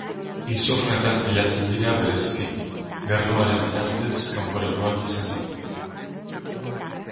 Giltzurrunetan pilatzen dira bereziki, gernuaren bitartez kanporatuak izanik.